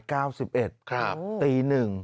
ครับตี๑